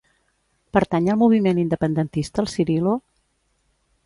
Pertany al moviment independentista el Cirilo?